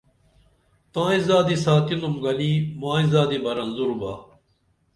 تائی زادی ساتِنُم گنی مائی زادی بہ رزُور با